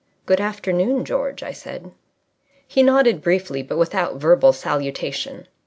"Good afternoon, George," I said. He nodded briefly, but without verbal salutation.